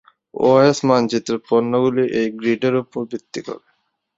OS মানচিত্রের পণ্যগুলি এই গ্রিডের উপর ভিত্তি করে।